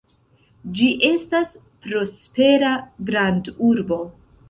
Ĝi estas prospera grandurbo.